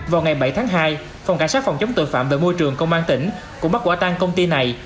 vào ngày bảy tháng hai phòng cảnh sát phòng chống tội phạm về môi trường công an tỉnh cũng bắt quả tang công ty này